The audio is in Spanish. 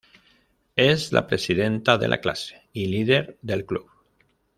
Es la presidenta de la clase y líder del club.